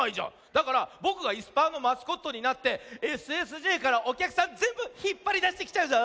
だからぼくがいすパーのマスコットになってＳＳＪからおきゃくさんぜんぶひっぱりだしてきちゃうぞ。